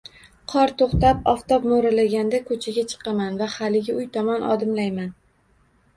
Qor to`xtab, oftob mo`ralaganda ko`chaga chiqaman va haligi uy tomon odimlayman